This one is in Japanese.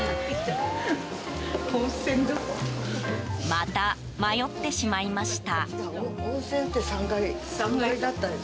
また迷ってしまいました。